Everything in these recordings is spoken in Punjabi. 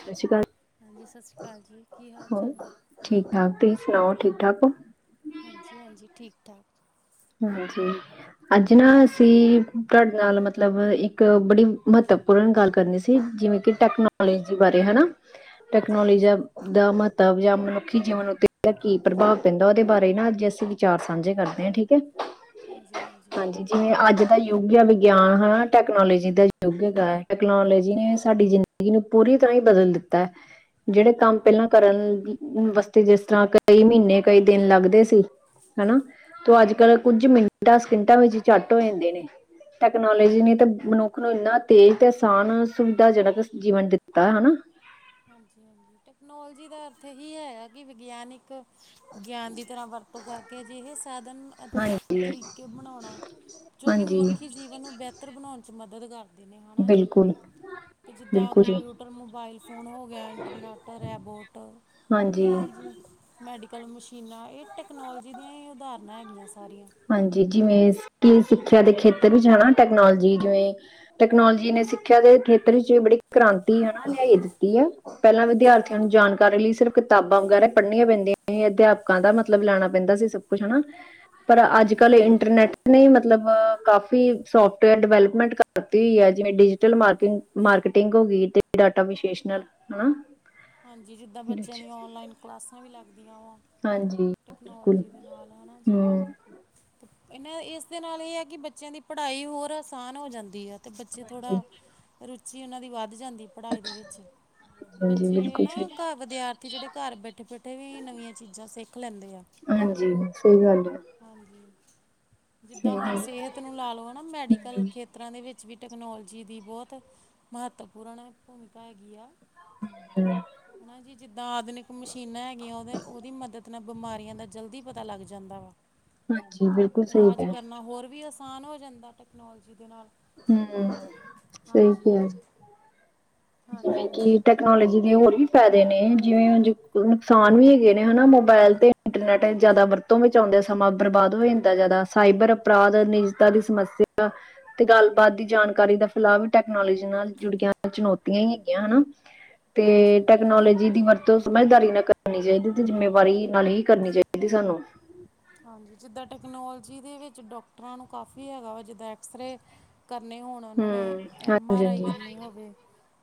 ਸਤਿ ਸ਼੍ਰੀ ਅਕਾਲ ਹਾਂਜੀ ਸਤਿ ਸ਼੍ਰੀ ਅਕਾਲ ਜੀ ਕੀ ਹਾਲ ਚਾਲ ਹੋਰ ਜੀ। ਠੀਕ ਠਾਕ ਤੁਸੀਂ ਸੁਣਾਓ ਠੀਕ ਠਾਕ ਹੋ। ਹਾਂਜੀ-ਹਾਂਜੀ ਠੀਕ ਠਾਕ। ਹਾਂਜੀ ਅੱਜ ਨਾ ਅਸੀਂ ਤੁਹਾਡੇ ਨਾਲ ਮਤਲਬ ਇੱਕ ਬੜੀ ਮਹੱਤਵ ਪੂਰਨ ਗੱਲ ਕਰਨੀ ਸੀ ਜਿਵੇ ਕਿ ਟੈਕਨੋਲੋਜੀ ਬਾਰੇ ਹਨਾ ਹਾਂਜੀ ਟੈਕਨੋਲੋਜੀ ਹਾਂਜੀ ਦਾ ਮਹੱਤਵ ਜਾਂ ਮਨੁੱਖੀ ਜੀਵਨ ਉੱਤੇ ਕੀ ਪ੍ਰਭਾਵ ਪੈਂਦਾ ਉਦੇ ਬਾਰੇ ਨਾ ਅੱਜ ਅਸੀਂ ਵਿਚਾਰ ਸਾਂਝੇ ਕਰਨੇ ਠੀਕ ਕਿ ਹਾਂਜੀ-ਹਾਂਜੀ ਜਿਵੇਂ ਅੱਜ ਦਾ ਯੁੱਗ ਐ ਵਿਗਿਆਨ ਹਨਾ ਟੈਕਨੋਲੋਜੀ ਦਾ ਯੁੱਗ ਹੈਗਾ ਟੈਕਨੋਲੋਜੀ ਨੇ ਸਾਡੀ ਜਿੰ ਗੀ ਨੂੰ ਪੂਰੀ ਤਰ੍ਹਾਂ ਈ ਬਦਲ ਦਿੱਤਾ। [inaudible] ਜੇੜੇ ਕੰਮ ਪੈਲਾਂ ਹਾਂਜੀ ਕਰਨ ਹੁਣ ਬਸਤੇ ਜਿਸ ਤਰ੍ਹਾਂ ਕਈ ਮ੍ਹੀਨੇ ਕਈ ਦਿਨ ਲੱਗਦੇ ਸੀ ਹਨਾ। ਤੇ ਅੱਜ ਕਲ ਹਾਂਜੀ ਕੁੱਝ ਮਿੰਟਾਂ ਸਕਿੰਟਾਂ ਵਿੱਚ ਚੱਟ ਹੋ ਜਾਂਦੇ ਨੇ। ਟੈਕਨੋਲੋਜੀ ਨੇ ਤੇ ਮਨੁੱਖ ਨੂੰ ਇੰਨਾ ਤੇਜ਼ ਤੇ ਆਸਾਨ ਸੁਵਿਧਾਜਨਕ ਜੀਵਨ ਦਿੱਤਾ ਹਨਾ। ਹਾਂਜੀ-ਹਾਂਜੀ ਟੈਕਨੋਲੋਜੀ ਦਾ ਅਰਥ ਇਹੀ ਹੈ ਕਿ ਵਿਗਿਆਨਿਕ ਗਿਆਨ ਦੀ ਤਰ੍ਹਾਂ ਵਰਤੋਂ ਕਰਕੇ ਅਜਿਹੇ ਸਾਧਨ ਹਾਂਜੀ ਤਰੀਕੇ ਬਣਾਉਣਾ। ਜੋ ਕਿ ਹਾਂਜੀ ਮਨੁੱਖੀ ਜੀਵਨ ਨੂੰ ਬਿਹਤਰ ਬਣਾਉਣ 'ਚ ਮਦਦ ਕਰ ਨੇ ਹਨਾ ਜੀ ਬਿਲਕੁਲ ਤੇ ਜਿੱਦਾਂ ਬਿਲਕੁਲ ਜੀ ਕੰਪਿਊਟ ਟਰ ਮੋਬਾਈਲ ਫੋਨ ਹੋ ਗਿਆ ਇੰਟਰਨੈੱਟ ਰੈਬੋਟ ਹਾਂਜੀ ਹਨਾ ਜੀ। ਮੈਡੀਕਲ ਮਸ਼ੀਨਾਂ ਏ ਟੈਕਨੋਲਜੀ ਦੀਆਂ ਏ ਉਦਾਹਰਨਾਂ ਹੈਗੀਆਂ ਸਾਰੀਆਂ ਹਾਂਜੀ ਜਿਵੇਂ ਕਿ ਸਿੱਖਿਆ ਦੇ ਖੇਤਰ ਵਿੱਚ ਹਨਾ ਟੈਕਨੋਲੋਜੀ ਜਿਵੇਂ ਟਕਨੋਲੋਜੀ ਨੇ ਸਿੱਖਿਆ ਦੇ ਖੇਤਰ ਵਿੱਚ ਬੜੀ ਕ੍ਰਾਂਤੀ ਹਨਾ ਲਿਆਈ ਦਿੱਤੀ ਆ। ਪੈਲਾਂ ਵਿਦਿਆਰਥੀਆਂ ਹਾਂਜੀ ਨੂੰ ਜਾਣ ਕਰਨ ਲਈ ਸਿਰਫ਼ ਕਿਤਾਬਾਂ ਵਗੈਰਾ ਪੜ੍ਹਨੀਆਂ ਪੈਂਦੀਆਂ ਹੀ ਅਧਿਆਪਕਾਂ ਦਾ ਮਤਲਬ ਲੈਣਾ ਪੈਂਦਾ ਸੀ ਸਭ ਕੁਛ ਹਨਾ। ਪਰ ਅੱਜ ਹਾਂਜੀ ਕੱਲ ਏ ਇੰਟਰਨੈੱਟ ਨੇ ਮਤਲਬ ਕਾਫ਼ੀ ਸੋਫਟਵੇਅਰ ਡਿਵੈਲਪਮੈਂਟ ਕਰਤੀ ਹੋਈ ਐ ਜਿਵੇਂ ਡਿਜੀਟਲ ਮਾਰਕਿੰਗ ਮਾਰਕੀਟਿੰਗ ਹੋ ਗਈ ਤੇ ਡਾਟਾ ਵਿਸ਼ੇਸ਼ ਨਾਲ ਹਨਾ। ਹਾਂਜੀ ਜਿੱਦਾਂ ਇਹਦੇ ਬੱਚਿਆਂ ਵਿੱਚ। ਦੀਆਂ ਔਨਲਾਈਨ ਕਲਾਸਾਂ ਵੀ ਲੱਗਦੀਆਂ ਵਾ। ਹਾਂਜੀ ਬਿਲਕੁਲ ਟੈਕਨੋਲੋਜੀ ਦੇ ਨਾਲ ਹਨਾ ਜੀ। ਹੂੰ ਇਹਨਾਂ ਇਸ ਦੇ ਨਾਲ ਏ ਐ ਕਿ ਬੱਚਿਆਂ ਦੀ ਪੜ੍ਹਾਈ ਹੋਰ ਆਸਾਨ ਹੋ ਜਾਂਦੀ ਐ। ਤੇ ਬੱਚੇ ਹਾਂਜੀ ਥੋੜ੍ਹਾ ਰੁਚੀ ਉਨਾਂ ਦੀ ਵੱਧ ਜਾਂਦੀ ਪੜ੍ਹਾਈ ਦੇ ਵਿੱਚ ਹਾਂਜੀ ਹਾਂਜੀ ਜੇ ਬਿਲਕੁਲ ਨਾ ਸਹੀ ਘਰ ਵਿਦਿਆਰਥੀ ਜੇੜੇ ਘਰ ਬੈਠੇ- ਬੈਠੇ ਵੀ ਨਵੀਆਂ ਚੀਜ਼ਾਂ ਸਿੱਖ ਲੈਂਦੇ ਆ। ਹਾਂਜੀ ਸਈ ਗੱਲ ਏ। ਹਾਂਜੀ ਜਿੱਦਾਂ ਹੁਣ ਸਿਹਤ ਨੂੰ ਲਾ ਲਓ ਨਾ ਮੈਡੀਕਲ ਹਮ ਖੇ ਖੇਤਰਾਂ ਦੇ ਵਿੱਚ ਵੀ ਟੈਕਨੋਲਜੀ ਦੀ ਬੋਤ ਮਹੱਤਵਪੂਰਨ ਭੂਮਿਕਾ ਹੈਗੀ ਆ। [inaudible] ਹਨਾ ਜੀ ਜਿੱਦਾਂ ਆਧੁਨਿਕ ਮਸ਼ੀਨਾਂ ਹੈਗੀਆਂ ਉਦੇ ਉਦੀ ਮਦਦ ਨਾਲ ਬਿਮਾਰੀਆਂ ਦਾ ਜਲਦੀ ਪਤਾ ਲੱਗ ਜਾਂਦਾ ਵਾ ਹਾਂਜੀ ਬਿਲਕੁਲ ਸਹੀ ਇਲਾਜ ਕਿਹਾ ਕਰਨਾ ਹੋਰ ਵੀ ਅ ਆਸਾਨ ਹੋ ਜਾਂਦਾ ਟੈਕਨੋਲਜੀ ਦੇ ਨਾਲ ਹੂੰ, ਸਹੀ ਹਾਂਜੀ ਕੈਆ ਜਿਵੇਂ ਹਾਂਜੀ ਕਿ ਟੈਕਨੋਲੋਜੀ ਦੇ ਹੋਰ ਵੀ ਫੈਦੇ ਨੇ ਜਿਵੇਂ ਉਂਝ ਨੁਕਸਾਨ ਵੀ ਹੈਗੇ ਨੇ ਹੈਨਾ ਮੋਬਾਇਲ ਦੇ ਇੰਟਰਨੈਟ ਜਾਦਾ ਵਰਤੋਂ ਵਿੱਚ ਆਂਦੇ, ਸਮਾਂ ਬਰਬਾਦ ਹੋ ਜਾਂਦਾ, ਜਾਦਾ ਸਾਈਬਰ ਅਪਰਾਧ ਨੇ ਦੀ ਸਮੱਸਿਆ ਤੇ ਗੱਲਬਾਤ ਦੀ ਜਾਨਕਾਰੀ ਦਾ ਫਿਲ ਟੈਕਨਾਲੋਜੀ ਨਾਲ ਜੁੜ ਗਿਆ ਚੁਨੋ ਚੁਨੌਤੀਆਂ ਹੀ ਹੈਗੀਆਂ ਹੈਨਾ ਤੇ ਹਾਂਜੀ ਟੈਕਨੋਲੋਜੀ ਦੀ ਵਰਤੋਂ ਸਮਝਦਾਰੀ ਨਾਲ ਕਰਨੀ ਚਾਈਦੀ ਤੇ ਜਿੰਮੇਵਾਰੀ ਨਾਲ ਹੀ ਕਰਨੀ ਚਾਈਦੀ ਸਾਨੂੰ। ਹਾਂਜੀ ਜਿੱਦਾਂ ਟੈਕਨੋਲਜੀ ਦੇ ਵਿੱਚ ਡਾਕਟਰਾਂ ਨੂੰ ਕਾਫ਼ੀ ਹੈਗਾ ਵਾ ਜਿਦਾਂ ਐਕਸਰੇ ਕਰਨੇ ਹੋਨ ਹੂੰ, ੳਨਾਂ ਨੇ ਐਮ ਆਰ ਆਈ ਹਾਂਜੀ-ਹਾਂਜੀ, ਕਰਨੀ ਹੋਵੇ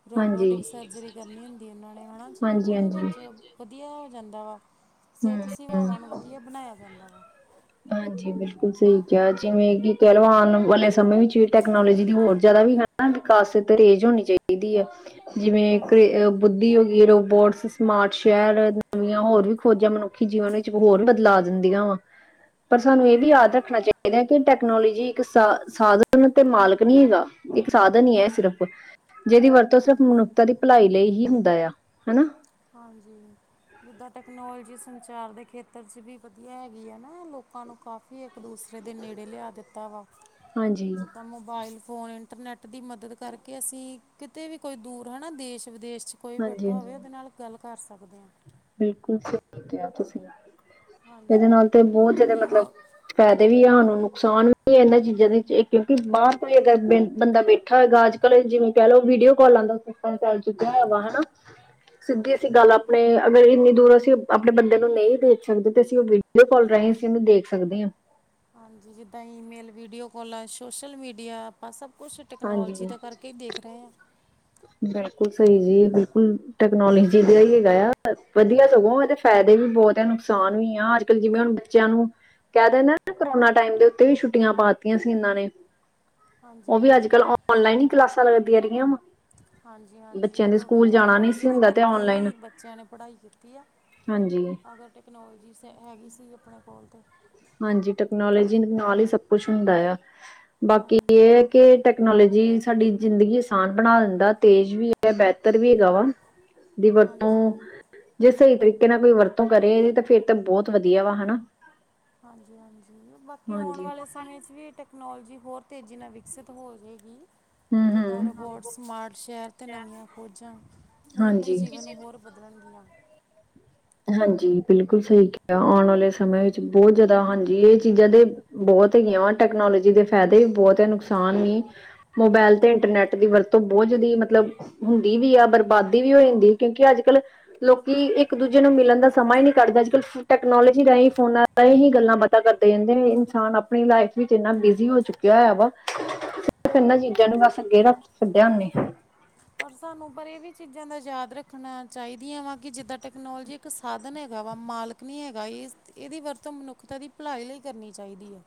ਦੋ ਹਾਂਜੀ, ਬੋਡਿਕ ਸਰਜਰੀ ਕਰਨੀ ਹੁੰਦੀ ੳਨਾਂ ਨੇ ਹੈਨਾ ਜੀ, ੳਦੇ ਹਾਂਜੀ-ਹਾਂਜੀ, ਹੂੰ। ਵਿੱਚ ਵਧੀਆ ਹੋ ਜਾਂਦਾ ਵਾ। ਸੇਹਤ ਹੂੰ, ਸੇਵਾਵਾਂ ਨੂੰ ਵਧੀਆ ਬਨਾਯਾ ਜਾਂਦਾ ਵਾ। ਹਾਂਜੀ ਬਿਲਕੁਲ ਸਹੀ ਕਿਹਾ ਜਿਵੇਂ ਕਿ ਕੈ ਲੋ ਆਨ ਵਾਲੇ ਸਮੇਂ ਵਿੱਚ ਟੈਕਨੋਲਜੀ ਦੀ ਹੋਰ ਜਾਦਾ ਵੀ ਵਿਕਾਸ ਤੇਜ਼ ਹੋਨੀ ਚਾਈਦੀ ਆ, ਜਿਵੇਂ ਏਕ ਹਾਂਜੀ ਅ ਬੁ ਹੋ ਡੀ, ਰੋਬੋਟਸ, ਸਮਾਰਟ ਸ਼ਹਰ, ਨਵੀਆਂ ਹੋਰ ਵੀ ਖੋਜਾਂ ਮਨੁੱਖੀ ਜੀਵਨ ਵਿੱਚ ਹੋਰ ਬਦਲਾ ਦਿੰਦੀਆਂ ਵਾ। ਪਰ ਸਾਨੂੰ ਏਹ ਵੀ ਹਾਂਜੀ ਯਾਦ ਰੱਖਨਾ ਚਾਈਦਾ ਐ ਕਿ ਟੈਕਨੋਲੋਜੀ ਇੱਕ ਸਾ ਸਾਧਨ ਤੇ ਮਾਲਕ ਨੀ ਹੈਗਾ ਇੱਕ ਸਾਧਨ ਹੀ ਏ ਸਿਰਫ਼। ਜਿਦੀ ਵਰਤੋਂ ਸਿਰਫ ਹਾਂਜੀ ਮਨੁੱਖਤਾ ਦੀ ਭਲਾਈ ਲਈ ਹੀ ਹੁੰਦਾ ਆ, ਹੈਨਾ। ਹਾਂਜੀ ਜਿੱਦਾਂ ਟੈਕਨੋਲਜੀ ਸੰਚਾਰ ਦੇ ਖੇਤਰ ਚ ਵੀ ਵਧੀਆ ਹੈਗੀ ਆ ਨਾ ਲੋਕ ਲੋਕਾਂ ਨੂੰ ਕਾਫੀ ਏਕ-ਦੂਸਰੇ ਦੇ ਨੇੜੇ ਲਿਆ ਦਿੱਤਾ ਵਾ, ਹਾਂਜੀ। ਜਿੱਦਾਂ ਮੋਬਾਇਲ ਫੋਨ ਇੰਟਰਨੈੱਟ ਦੀ ਮਦਦ ਕਰਕੇ ਅਸੀਂ ਕਿਤੇ ਵੀ ਕੋਈ ਦੂਰ ਹੈਨਾ ਦੇਸ਼-ਵਿਦੇਸ਼ ਚ ਕੋਈ ਹਾਂਜੀ ਬੈਠਾ ਹਾਂਜੀ ਹੋਵੇ ੳਦੇ ਨਾਲ ਗੱਲ ਕਰ ਸਕਦੇ ਆ। ਬਿਲਕੁਲ ਸਹੀ ਕਿਹਾ ਤੁਸੀ। ਏਦੇ ਹਾਂਜੀ ਨਾਲ ਤੇ ਬੋਹਤ ਜਾਦਾ ਮਤਲਬ ਈਮੋ ਫੈਦੇ ਵੀ ਆਨੂੰ ਨੁਕਸਾਨ ਵੀ ਏਨਾਂ ਚੀਜਾ ਦੇ ਜੇ ਕਿਉਂਕਿ ਬਾਹਰ ਤੋਂ ਹੀ ਅਗਰ ਬੰਦਾ ਬੈਠਾ ਹੋਏਗਾ ਜਿਵੇਂ ਕੈ ਲੳ ਵੀਡੀਓ ਕਾੱਲਾਂ ਦਾ ਸਿਸਟਮ ਚਲ ਚੁੱਕਾ ਹੈਗਾ ਹੈਨਾ ਸਿੱਧੀ ਅਸੀ ਹਾਂਜੀ ਗੱਲ ਆਪ ਆਪਣੇ ਅਗਰ ਇੰਨੀ ਦੂਰ ਅਸੀਂ ਆਪਣੇ ਤੇ ਤੇ ਅਗਰ ਏਨੀ ਦੂਰੋਂ ਅਸੀ ਅਪਨੇ ਬੰਦੇ ਨੂੰ ਨਈ ਦੇਖ ਸਕਦੇ ਤੇ ਅਸੀਂ ੳਹ ਵੀਡੀਓ ਕਾੱਲ ਰਾਹੀ ਅਸੀਂ ੳਨੂੰ ਦੇਖ ਸਕਦੇ ਆ। ਹਾਂਜੀ ਜਿੱਦਾਂ ਈਮੇਲ, ਵੀਡੀਓ ਕਾੱਲਾ, ਸੋਸ਼ਲ ਮੀਡੀਆ, ਆਪਾਂ ਸਭ ਕੁਛ ਟੈਕਨੋਲਜੀ ਹਾਂਜੀ ਦਾ ਕਰਕੇ ਈ ਦੇਖ ਰਹੇ ਆ। ਬਿਲਕੁਲ ਸਹੀ ਜੀ ਬਿਲਕੁਲ ਟੈਕਨੋਲਜੀ ਦਾ ਹੀ ਹੈਗਾ ਆ ਵਧੀਆ ਸਗੋਂ ਏ ਤੇ ਫੈਦੇ ਵੀ ਬੋਹਤ ਆ, ਨੁਕਸਾਨ ਵੀ ਆ। ਅੱਜ ਕੱਲ ਜਿਵੇਂ ਹੁਨ ਬੱਚੇਆਂ ਨੂੰ ਕੈ ਦੇ ਨਾਂ ਕਰੋਨਾ ਟਾਈਮ ਦੇ ਉਤੇ ਵੀ ਛੁੱਟੀਆਂ ਪਾ ਤੀਆਂ ਸੀ ਏਨਾਂ ਨੇ। ਹਾਂਜੀ ੳਹ ਵੀ ਅੱਜ ਹਾਂਜੀ ਕੱਲ ਔਨਲਾਈਨ ਈ ਕਲਾਸਾਂ ਲੱਗਦੀਆਂ ਰਹੀਆਂ ਵਾ। ਹਾਂਜੀ ਹਾਂਜੀ ਬੱਚਿਆਂ ਦੇ ੳਦੋਂ ਵੀ ਸਕੂਲ ਜਾਣਾ ਨਹੀਂ ਟੈਕਨੋਲਜੀ ਸੀ ਦਾ ਹੁੰਦਾ ਤੇ ਕਰਕੇ ਔਨਲਾਈਨ ਹੀ ਬੱਚੇਆਂ ਨੇ ਪੜਾਈ ਕੀਤੀ ਆ। ਹਾਂਜੀ। ਟੈਕਨੋਲਜੀ ਸ ਹੈਗੀ ਸੀ ਅਪਨੇ ਕੋਲ ਤੇ ਹਾਂਜੀ ਟੈਕਨੋਲੋਜੀ ਨਾਲ ਹੀ ਸਭ ਕੁਛ ਹੁੰਦਾ ਆ। ਬਾਕੀ ਹਾਂਜੀ ਏ ਹੈ ਕਿ ਟੈਕਨੋਲਜੀ ਸਾਡੀ ਜ਼ਿੰਦਗੀ ਆਸਾਨ ਬਨਾ ਦਿੰਦਾ, ਤੇਜ਼ ਵੀ ਏ, ਬੈਤਰ ਵੀ ਹੈਗਾ ਵਾ ਦੀ ਵਰਤੋਂ ਹਾਂਜੀ ਜੇ ਸਹੀ ਤਰੀਕੇ ਨਾਲ ਕੋਈ ਵਰਤੋਂ ਕਰੇ ਤੇ ਫੇਰ ਤੇ ਬੋਹਤ ਵਧੀਆ ਵਾ, ਹੈਨਾ। ਹਾਂਜੀ ਹਾਂਜੀ ਬਾਕੀ ਆਉਣ ਹਾਂਜੀ ਵਾਲੇ ਸਮੇਂ ਚ ਵੀ ਏਹ ਟੇਕ ਟੈਕਨੋਲਜੀ ਹੋਰ ਤੇਜ਼ੀ ਨਾਲ ਵਿਕਸਿਤ ਹੋਜੇਗੀ। ਹੂੰ ਹੂੰ ਜਿੱਦਾਂ ਰੋਬੋਟਸ, ਸਮਾਰਟ ਸ਼ਹਰ ਤੇ ਨਵੀਆਂ ਖੋਜਾਂ ਮਨੁੱਖੀ ਹਾਂਜੀ। ਜੀਵਨ ਨੂੰ ਹੋਰ ਬਦਲਨ ਗੀਆਂ। ਹਾਂਜੀ ਬਿਲਕੁਲ ਸਹੀ ਕਿਹਾ। ਆਨ ਵਾਲੇ ਸਮੇਂ ਵਿੱਚ ਹਾਂਜੀ ਬੋਹਤ ਜਾਦਾ ਹਾਂਜੀ ਏਹ ਚੀਜਾ ਦੇ ਬੋਤ ਹੈਗੀਆਂ ਵਾ ਟੈਕਨੋਲਜੀ ਦੇ ਫੈਦੇ ਬੋਤ ਐ, ਨੁਕਸਾਨ ਵੀ। ਮੋਬੈਲ ਤੇ ਇੰਟਰਨੈਟ ਦੀ ਵਰਤੋਂ ਬੋਤ ਜਾਦੀ ਏ ਮਤਲਬ ਹੁੰਦੀ ਵੀ ਐ, ਬਰਬਾਦੀ ਵੀ ਹੋ ਜਾਂਦੀ, ਕਿਉਂਕਿ ਅੱਜ-ਕੱਲ ਲੋਕੀ ਇੱਕ ਦੂ ਜੇ ਨੂੰ ਮਿਲਨ ਦਾ ਸਮਾਂ ਈ ਨੀ ਕਡਦਾ ਅੱਜ-ਕੱਲ ਟੈਕਨੋਲੋਜੀ ਰਾਈ, ਫੋਨਾਂ ਰਾਈ ਹੀ ਗੱਲਾਂ-ਬਾਤਾਂ ਕਰਦੇ ਰੈਂਦੇ ਨੇ ਇਨਸਾਨ ਆਪਣੀ ਲਾਈਫ ਵਿੱਚ ਏਨਾ ਬਿਜ਼ੀ ਹੋ ਚੁੱਕ ਵਿਆਵਾ ਹੋਇਆ ਵਾ ਇਨਾਂ ਚੀਜ਼ਾਂ ਹਾਂਜੀ ਨੂੰ ਬਸ ਅੱਗੇ ਰੱਖ ਛੱਡਿਆ ਓਨੇ। ਪਰ ਸਾਨੂੰ ਪਰ ਏ ਵੀ ਚੀਜ਼ਾਂ ਦਾ ਯਾਦ ਰੱਖਣਾ ਚਾਹੀਦੀਆਂ ਵਾ ਕਿ ਜਿੱਦਾਂ ਟੈਕਨੋਲਜੀ ਇੱਕ ਸਾਧਨ ਹੈਗਾ ਵਾ ਮਾਲਕ ਨੀ ਹੈਗਾ ਏਸ ਏੱਦੀ ਵਰਤੋਂ ਮਨੁੱਖਤਾ ਦੀ ਪਲਾਈ ਲਈ ਕਰਨੀ ਚਾਹੀਦੀ ਐ।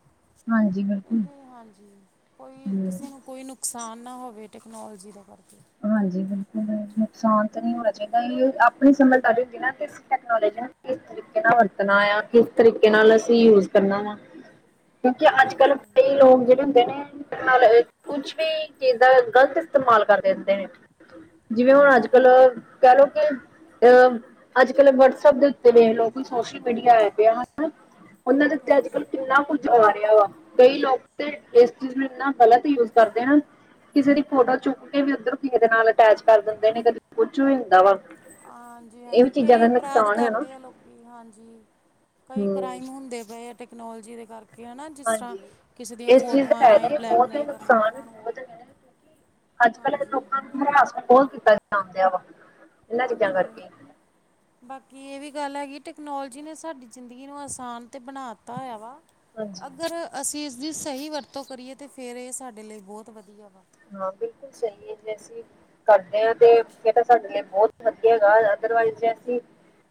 ਹਾਂਜੀ ਬਿਲਕੁਲ [unintelligible] ਹਾਂਜੀ, ਕੋਈ ਹਮ ਕਿਸੇ ਨੂੰ ਕੋਈ ਨੁਕਸਾਨ ਨਾ ਹੋਵੇ, ਟੈਕਨੋਲਜੀ ਦਾ ਕਰਕੇ। ਹਾਂਜੀ, ਬਿਲਕੁਲ ਬਿਲ ਨੁਕਸਾਨ ਤੇ ਨੀ ਹੋਣਾ ਚਾਈਦਾ ਐਈਯੌ ਆ ਪਣੀ ਸਮਝਦਾਰੀ ਹੁੰਦੀ ਨਾ ਏਸ ਟੈਕਨੋਲਜੀ ਨੂੰ ਕਿਸ ਤਰੀਕੇ ਨਾਲ ਵਰਤਣਾ ਆ, ਕਿਸ ਤਰੀਕੇ ਨਾਲ ਅਸੀਂ ਯੂਜ ਕਰਨਾ ਵਾ। ਕਿਉਂਕਿ ਅੱਜ-ਕੱਲ ਹਾਂਜੀ ਹਾਂਜੀ ਕਈ ਲੋਕ ਜੇੜੇ ਹੁੰਦੇ ਨੇ ਨਾਲ ਕੁਛ ਵੀ ਚੀਜ਼ ਦਾ ਗਲਤ ਇਸਤੇਮਾਲ ਕਰ ਦਿੰਦੇ ਨੇ। ਜਿਵੇਂ ਹੁਣ ਹਾਂਜੀ ਅੱਜ-ਕੱਲ ਕੈ ਲੋ ਕਿ ਅ ਅੱਜ-ਕਲ ਵਟਸਐਪ ਦੇ ਉੱਤੇ ਵੇਖ ਲੋ ਕੋਈ ਸੋਸ਼ਲ ਮੀਡੀਆ ਆਯਾ ਪੇਯਾ ਹਨਾ। ਔਨਾਂ ਦੇ ਓਤੇ ਹਾਂਜੀ ਅੱਜ-ਕੱਲ ਕਿੰਨਾ ਕੁ ਆ ਰੇਆ ਵਾ ਕਈ ਲੋਕ ਤੇ ਏਸ ਚੀਜ਼ ਨੂੰ ਇੰਨਾ ਗ਼ਲਤ ਯੂਜ਼ ਕਰਦੇ ਨਾ ਕਿਸੇ ਦੀ ਫੋਟੋ ਚੁੱਕ ਕੇ ਵੀ ਉਧਰ ਕਿਸੇ ਦੇ ਨਾਲ ਅਟੈਚ ਕਰ ਦਿੰਦੇ ਨੇ ਕਦੇ ਕੁਛ ਵੀ ਹੁੰਦਾ ਵਾ। ਇਹ ਵੀ ਹਾਂਜੀ-ਹਾਂਜੀ, ਚੀਜ਼ਾਂ ਕਈ ਦਾ ਅਪਰਾਧ ਨੁਕਸਾਨ ਹੈ ਨਾ ਕਰਦੇ ਆ ਲੋਕੀ ਹਾਂਜੀ। ਕਈ ਹੂੰ ਕ੍ਰਾਈਮ ਹੁੰਦੇ ਪੇ ਆ ਟੈਕਨੋਲੋਜੀ ਦੇ ਕਰ ਕਿ ਹਨਾ, ਜਿਸਰਾ ਹਾਂਜੀ ਕਿਸੇ ਦੀਆਂ ਇਸ ਚੀਜ਼ ਦਾ ਫੋਟੋਆਂ ਫਾਇਦਾ ਰਾਈ ਹੈ ਬਲੈਕਮੇਲ ਕਰਨਾ ਔਨਾਂ ਨੂੰ। ਅੱਜ-ਕੱਲ ਦੇ ਹਾਂਜੀ ਲੋਕਾਂ ਨੂੰ ਰਿਆਸ ਬੋਤ ਕੀਤਾ ਜਾਨ ਡੇਂਆ ਵਾ। ਇਹਨਾਂ ਚੀਜ਼ਾਂ ਹਾਂਜੀ। ਕਰਕੇ ਬਾਕੀ ਏ ਵੀ ਗੱਲ ਹੈਗੀ ਟੈਕਨੋਲੋਜੀ ਨੇ ਸਾਡੀ ਜ਼ਿੰਦਗੀ ਨੂੰ ਆਸਾਨ ਤੇ ਬਣਾ ਤਾ ਹੋਇਆ ਵਾ। ਹਾਂਜੀ ਅਗਰ ਅਸੀਂ ਇਸਦੀ ਸਈ ਵਰਤੋਂ ਕਰੀਏ ਤੇ ਫੇਰ ਏ ਸਾਡੇ ਲਈ ਬੋਤ ਵਧੀਆ ਵਾ। ਹਾਂ, ਬਿਲਕੁਲ ਸਈ ਏ ਜੈ ਅਸੀ ਕਰਦੇ ਆਂ ਤੇ ਫੇਰ ਤਾਂ ਸਾਡੇ ਲਈ ਬੋਤ ਵਧੀਆ ਹੈਗਾ ਅਦਰਵਾਈਸ ਜੇ ਅਸੀ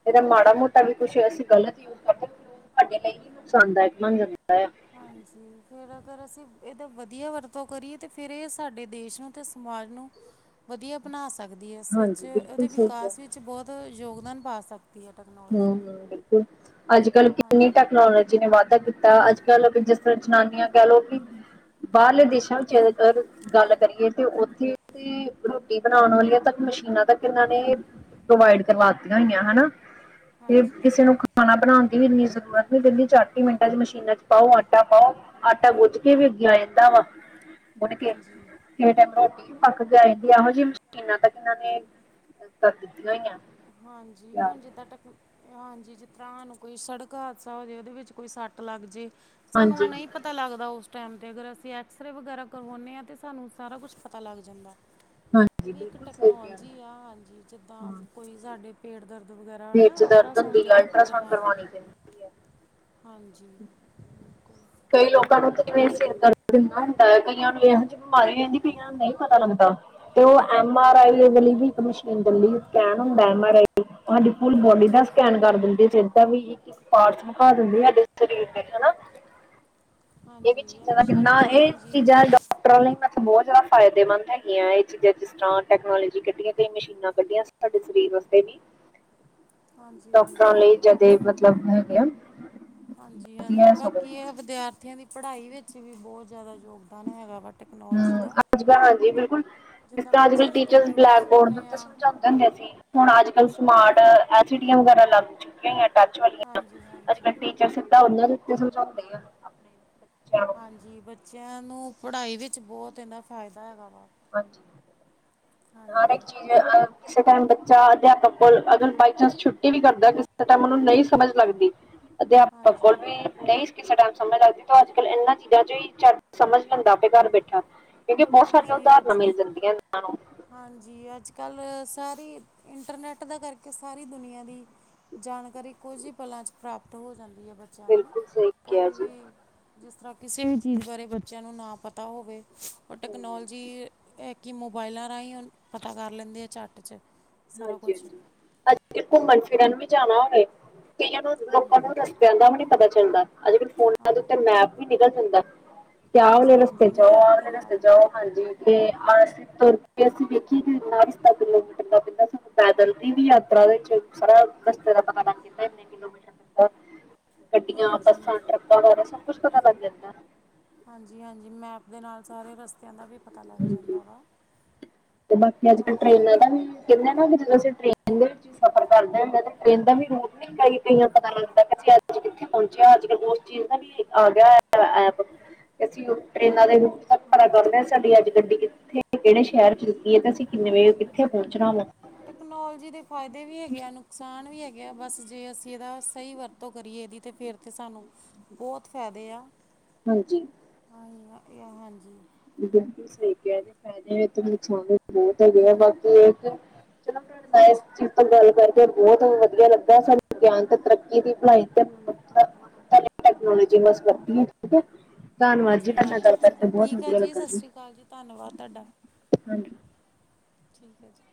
ਏਦਾ ਮਾੜਾ-ਮੋਟਾ ਵੀ ਕੁਛ ਅਸੀਂ ਗਲਤ ਯੂਜ ਕਰਦੇ ਫਿਰ ਉਹ ਸਾਡੇ ਲਈ ਨੁਕਸਾਨਦਾਇਕ ਬਨ ਜਾਂਦਾ ਆ। ਹਾਂਜੀ ਫੇਰ ਅਗਰ ਅਸੀਂ ਏਦਾ ਵਧੀਆ ਵਰਤੋਂ ਕਰੀਏ ਤੇ ਫੇਰ ਏ ਸਾਡੇ ਦੇਸ਼ ਨੂੰ ਤੇ ਸਮਾਜ ਨੂੰ ਵਧੀਆ ਬਨਾ ਸਕਦੀ ਐ ਇਸ ਵਿੱਚ ਹਾਂਜੀ ਬਿਲਕੁਲ ਔਦੇ ਸਹੀ ਕਿਹਾ। ਵਿਕਾਸ ਵਿੱਚ ਬੋਤ ਯੋਗਦਾਨ ਪਾ ਸਕ ਦੀ ਐ ਟੇਕ ਹੁੰ-ਹੁੰ, ਬਿਲਕੁਲ ਅੱਜ-ਕੱਲ ਕਿੰਨੀ ਹਾਂਜੀ ਟੈਕਨੋਲੋ ਜੀ ਨੇ ਵਾਧਾ ਕੀਤਾ, ਅੱਜ-ਕੱਲ ਜਿਸ ਤਰ੍ਹਾਂ ਜਨਾਨੀਆਂ ਕੈ ਲੋ ਕਿ ਬਾਰਲੇ ਦੇਸਾਂ ਵਿੱਚ ਅਗਰ ਗੱਲ ਕਰੀਏ ਤੇ ਔਥੇ ਤੇ ਰੋਟੀ ਬਣਾਉਣ ਵਾਲੀਆਂ ਤੱਕ ਮਸ਼ੀਨਾਂ ਤੱਕ ਇੱਨਾਂ ਨੇ ਪ੍ਰੋਵਾਈਡ ਕਰਵਾਤੀਆਂ ਹੋਈਆਂ ਹਨਾ। ਤੇ ਹਾਂਜੀ ਕਿਸੇ ਨੂੰ ਹਾਂਜੀ ਖਾਣਾ ਬਨਾਨ ਦੀ ਵੀ ਇੰਨੀ ਜ਼ਰੂਰਤ ਨੀ ਪੈਂਦੀ ਚਾਟ ਈ ਮਿੰਟਾਂ ਚ ਮਸ਼ੀਨਾਂ ਚ ਪਾਔ ਆਟਾ ਪਾਔ ਆਟਾ ਗੋਝ ਕੇ ਵੀ ਅੱਗੇ ਆ ਜਾਂਦਾ ਵਾ ਗੁਨ ਕੇ। ਹਾਂਜੀ ਕਿਸੇ ਟੈਮ ਰੋਟੀ ਵੀ ਪੱਕ ਜਾਏਗੀ ਐਹੋ ਜੀ ਮਸ਼ੀਨਾਂ ਤੱਕ ਇੰਨਾ ਨੇ ਕਰ ਦਿੱਤੀਆਂ ਹੋਈਆਂ। ਹਾਂਜੀ, ਤਿਆਰ ਹੁਣ ਜਿੱਦਾਂ ਟਕ ਹਾਂਜੀ, ਜਿਸ ਤਰ੍ਹਾਂ ਹਾਨੂੰ ਕੋਈ ਸੜਕ ਹਾਦਸਾ ਹੋ ਜੇ ਔਦੇ ਵਿੱਚ ਕੋਈ ਸੱਟ ਲੱਗ ਜੇ ਸਾਨੂੰ ਹਾਂਜੀ ਨਈ ਪਤਾ ਲੱਗਦਾ ਔਸ ਟੈਮ ਤੇ ਅਗਰ ਅਸੀਂ ਐਕਸਰੇ ਵਗੈਰਾ ਕਰਵਾਉਂਨੇ ਆ ਤੇ ਸਾਨੂੰ ਸਾਰਾ ਕੁਛ ਪਤਾ ਲੱਗ ਜਾਂਦਾ। ਈ ਹਾਂਜੀ ਵੀ ਇੱਕ ਬਿਲਕੁਲ ਸਹੀ ਕਿਹਾ ਟੈਕਨੋਲਜੀ ਆ, ਹਾਂਜੀ ਜਿੱਦਾਂ ਹਮ ਕੋਈ ਸਾਡੇ ਪੇਟ ਦਰਦ ਵਗੈਰਾ ਪੇਟ ਹਨਾ, 'ਚ ਦਰਦ ਅਲਟਰਾਸਾਊਂਡ ਹੁੰਦੀ ਆ ਜਦੋਂ ਆਪਾਂ ਅਲਟਰਾਸਾਊਂਡ ਕਰਵਾਉਂਦੇ ਹਾਂ, ਕਰਵਾਉਣੀ ਪੈਂਦੀ ਹੈ ਹਾਂਜੀ। ਬਿਲਕੁਲ ਕਈ ਲੋਕਾਂ ਨੂੰ ਤੇ ਜਿਵੇਂ ਸਿਰ ਦਰਦ ਏਨਾ ਹੁੰਦਾ ਐ, ਕਈਆਂ ਨੂੰ ਏ ਬਿਮਾਰੀ ਹੋ ਜਾਂਦੀ, ਕਇਆ ਨੂੰ ਨਈ ਪਤਾ ਲੱਗਦਾ, ਤੇ ੳ ਐਮ ਆਰ ਹਾਂਜੀ ਆਈ ਵਲੀ ਵੀ ਇਕ ਮਸ਼ੀਨ ਸਕੈਨ ਹੁੰਦਾ ਐ, ਐਮ ਆਰ ਆਈ ਸਾਡੀ ਫੁਲ ਬੋਡੀ ਦਾ ਹਾਂਜੀ ਸਕੈਨ ਕਰ ਦਿੰਦੀ, ਸਿਰ ਦਾ ਵੀ ਪਾਰਟਸ ਵਖਾ ਦਿੰਦੀ ਆ ਸਾਡੇ ਸਰੀਰ ਦੇ ਹੈਨਾ। ਇਹ ਹਾਂਜੀ ਚੀਜ਼ਾਂ ਦਾ ਕਿੰਨਾ ਮਸ਼ੀਨਾਂ ਇਹ ਹਾਂਜੀ ਚੀਜ਼ਾਂ ਦਾ ਕਰੋਲਿੰਗ ਵਾਸਤੇ ਬੋਤ ਜਾਦਾ ਫਾਏਦੇਮੰਦ ਹੈਗੀਆਂ ਆ ਏਹ ਚੀਜਾਂ ਜਿਸ ਤਰਾਂ ਟੈਕਨੋਲਜੀ ਕੱਢੀਆਂ ਤੇ ਮਸ਼ੀਨਾਂ ਕੱਢੀਆਂ ਤਾਡੇ ਸਰੀਰ ਵਸਤੇ ਵੀ [inaudible] ਡਾਕਟਰਾਂ ਹਾਂਜੀ ਲਈ, ਜਦੇ ਮਤਲਬ ਹੈਗੇ ਆ। ਹਾਂਜੀ ਹਾਂਜੀ ਵਧੀਆ ਬਾਕੀ ਸਗੋਂ ਇਹ ਵਿਦਿਆਰਥੀਆਂ ਦੀ ਪੜ੍ਹਾਈ ਵਿੱਚ ਵੀ ਬਹੁਤ ਜ਼ਿਆਦਾ ਯੋਗਦਾਨ ਹੈਗਾ, ਬਟ ਹੂੰ ਅੱਜ ਕਲ ਹਾਂਜੀ ਬਿਲਕੁਲ ਜਿਸ ਜਿੱਦਾਂ ਤਰਾਂ ਅੱਜ-ਕਲ ਬੱਚਿਆਂ ਨੇ ਟੀਚਰ ਕੰਪਿਊਟਰ ਬਲੈਕ ਬੋਰਡ ਦੇ ਸਿੱਖਣੇ ਉਤੇ ਆ ਸਮਝਾਂਦੇ ਦਾ ਸੀ, ਹੁਣ ਅੱਜ-ਕੱਲ ਸਮਾਰਟ ਐਸਡੀਐਮ ਵਗੈਰਾ ਲੱਗ ਚੁੱਕੇ ਆ ਟਚ ਵਾਲੀਆਂ ਹਾਂਜੀ ਅੱਜ-ਕੱਲ ਹਾਂਜੀ ਟੀਚਰ ਸਿੱਧਾ ਉਹਨਾਂ ਦੇ ਉਤੇ ਸਮਝਾਉਦੇ ਆ ਆਪਣੇ ਨੂੰ ਹਾਂਜੀ ਬੱਚਿਆਂ ਨੂੰ ਪੜ੍ਹਾਈ ਵਿੱਚ ਬਹੁਤ ਇਹਦਾ ਫਾਇਦਾ ਹੈਗਾ ਵਾ। ਹਾਂਜੀ, ਹਰ ਹਾਂਜੀ ਇੱਕ ਚੀਜ ਔਨਲਾਈਨ ਕਿਸੇ ਟਾਈਮ ਬੱਚਾ ਅਧਿਆਪਕ ਕੋਲ ਅਗ ਬਾਈ ਚਾਂਸ ਛੁੱਟੀ ਵੀ ਕਰਦਾ ਕਿਸੇ ਟਾਈਮ ਉਹਨੂੰ ਨਹੀ ਸਮਝ ਲੱਗਦੀ ਅਧਿਆਪਕ ਕੋਲ ਹਾਂਜੀ ਵੀ ਨਹੀਂ ਕਿਸੇ ਟਾਈਮ ਸਮਝ ਲੱਗਦੀ ਤੇ ਅੱਜ ਕੱਲ ਇਹਨਾਂ ਚੀਜਾ 'ਚ ਹੀ ਚਟ ਸਮਝ ਲੈਦਾ ਆਪੇ ਘਰ ਬੈਠਾ। ਕਿਉਕਿ ਬਹੁਤ ਸਾਰੀਆਂ ਹਾਂਜੀ ਉਦਾਹਰਨਾਂ ਅੱਜ ਮਿਲ ਜਾਂਦੀਆਂ ਇਹਨਾਂ ਨੂੰ ਹਾਂਜੀ ਅੱਜ ਕੱਲ ਸਾਰੀ ਇੰਟਰਨੈਟ ਦਾ ਕਰਕੇ ਸਾਰੀ ਦੁਨੀਆਂ ਦੀ ਜਾਣਕਾਰੀ ਕੁਝ ਹੀ ਪਲਾਂ 'ਚ ਪ੍ਰਾਪਤ ਹੋ ਜਾਂਦੀ ਐ ਬੱਚਿਆਂ ਨੂੰ ਬਿਲਕੁਲ ਸਹੀ ਕਿਹਾ ਕੋਈ ਜੀ। ਵੀ ਜਿਸ ਤਰ੍ਹਾਂ ਕਿਸੇ ਵੀ ਚੀਜ ਬਾਰੇ ਬੱਚਿਆਂ ਨੂੰ ਨਾ ਪਤਾ ਹੋਵੇ, ਉਹ ਟੈਕਨੋਲਜੀ ਹਮ, ਇਹ ਕੀ ਮੋਬਾਇਲਾਂ ਰਾਹੀ ਹੁਣ ਪਤਾ ਕਰ ਲੈਦੇ ਆ ਝੱਟ ਚ ਸਾਰਾ ਹਾਂਜੀ ਕੁਛ -ਹਾਂਜੀ, ਪਰ ਕੀਦਰ ਮਰਜੀ ਘੁੰਮਣ ਫਿਰਨ ਵੀ ਜਾਣਾ ਹੋਵੇ ਕਈਆਂ ਨੂੰ ਲੋਕਾਂ ਹਾਂਜੀ ਨੂੰ ਰਸਤਿਆਂ ਦਾ ਵੀ ਨੀ ਪਤਾ ਚੱਲਦਾ ਅੱਜ-ਕੱਲ ਫੋਨਾਂ ਦੇ ਹਾਂਜੀ ਉਤੇ ਮੈਪ ਵੀ ਨਿਕਲ ਜਾਂਦਾ। ਕੇ ਆ ਵਾਲੇ ਹਾਂਜੀ ਰਸਤੇ ਹਾਂਜੀ ਜਾਓ, ਆ ਮੈਪ ਦੇ ਵਾਲੇ ਰਸਤੇ ਨਾਲ ਜਾਓ ਹਾਂਜੀ ਆਸੀ ਤੁਰ ਕੇ ਅਸੀ ਵੇਖੀਏ ਕਿ ਕਿੰਨਾ ਰਸ਼ਤਾ ਕਿਲੋਮੀਟਰ ਦਾ ਸਾਨੂੰ ਪੈਦਲ ਦੀ ਵੀ ਯਾਤਰਾ ਉਹਦੇ ਚ ਸਾਰਾ ਰਸਤੇ ਦਾ ਪਤਾ ਲੱਗ ਜਾਦਾ ਐ। ਦੋ ਮਿੰਟ ਦੇ ਅੰਦਰ ਗੱਡੀਆਂ, ਹਾਂਜੀ ਬੱਸਾਂ, ਟਰੱਕਾਂ, ਵਗੈਰਾ ਸਭ ਕੁਛ ਪਤਾ ਲੱਗ ਜਾਦਾ ਐ। ਹਾਂਜੀ- ਹਾਂਜੀ ਮੈਪ ਦੇ ਨਾਲ ਸਾਰੇ ਰਸਤਿਆਂ ਦਾ ਵੀ ਪਤਾ ਲੱਗ ਜਾਂਦਾ ਜਾਦਾ ਵਾ। ਬਾਕੀ ਅੱਜ-ਕੱਲ੍ਹ ਟ੍ਰਰੇਨਾਂ ਦਾ ਵੀ ਕਹਿੰਦੇ ਨਾ ਜਦੋ ਅਸੀ ਟ੍ਰੇਨ ਦੇ ਵਿਚ ਸਫ਼ਰ ਕਰਦੇ ਹੋ ਤੇ ਟ੍ਰੇਨ ਦਾ ਵੀ ਰੂਟ ਕਈ ਕਈਆਂ ਪਤਾ ਲੱਗਦਾ ਅਸੀ ਅੱਜ ਕਿੱਥੇ ਪਹੁੰਚਿਆ ਅੱਜ-ਕੱਲ ਉਸ ਚੀਜ ਦਾ ਵੀ ਆ ਗਿਆ ਐ ਐਪ। ਕਿ ਅਸੀਂ ਓ ਟਰੇਨਾਂ ਦੇ- ਸਬ ਪਤਾ ਹਾਂਜੀ ਚਲਦਾ, ਸਾਡੀ ਅੱਜ ਗੱਡੀ ਕਿੱਥੇ ਕਿਹੜੇ ਸ਼ਹਿਰ ਚੋ ਲੱਗੀ, ਤੇ ਅਸੀ ਕਿਵੇ ਹਾਂਜੀ ਕਿੱਥੇ ਹਾਂਜੀ ਪਹੁੰਚਣਾ ਵ ਟੈਕਨੋਲੋਜੀ ਦੇ ਫਾਇਦੇ ਵੀ ਹੈਗੇ ਆ ਨੁਕਸਾਨ ਵੀ ਹੈਗੇ ਆ ਬਸ ਜੇ ਅਸੀ ਇਹਦਾ ਸਹੀ ਵਰਤ ਕਰੀਏ ਇਹਦੀ ਤੇ ਫਿਰ ਤੇ ਸਾਨੂੰ ਬਹੁਤ ਫਾਇਦੇ ਆ। ਹਾਂਜੀ ਹੁਨ ਓ, ਹਾਂਜੀ। ਬਿਲਕੁ ਸਹੀ ਕਹਿ ਰਹਿ ਓ ਫੈਦੇ ਤੇ ਨੁਕਸਾਨ ਵੀ ਬਹੁਤ ਹੈਗੇ ਆ ਬਾਕੀ ਇਕ [inaudible] ਇਸ ਚੀਜ਼ ਤੋ ਗੱਲ ਕਰਕੇ ਬਹੁਤ ਵਧੀਆ ਲੱਗਾ ਸਾਨੂੰ [unintelligible] ਤੇ ਤਰੱਕੀ ਦੀ ਭਲਾਈ ਤੇ ਫੈਦੇ ਤਾ ਬੋਤ [unintelligible] ਹੂੰ ਠੀਕ ਐ, ਧੰਨਵਾਦ ਜੀ ਹਾਂਜੀ ਤੁਆਡੇ ਨਾਲ ਗੱਲ ਹਾਂਜੀ ਕਰਕੇ ਚਲੋ ਬਹੁਤ ਠੀਕ ਵੀ ਆ ਜੀ ਸਸ ਸ਼੍ਰੀ ਕਾਲ ਜੀ ਧੰਨਵਾਦ ਤੁਆਡਾ, ਹਾਂਜੀ ਠੀਕ ਐ ਜੀ।